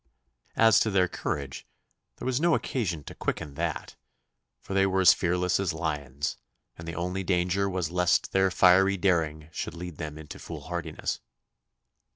As to their courage, there was no occasion to quicken that, for they were as fearless as lions, and the only danger was lest their fiery daring should lead them into foolhardiness.